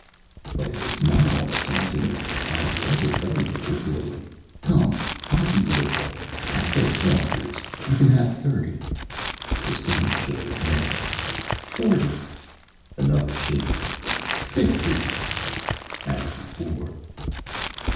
"But it's not all the same to me. I want it very particularly. Come, I'll be liberal. I said twenty years. You can have thirty." The student shook his head. "Forty!" Another shake. "Fifty!" As before.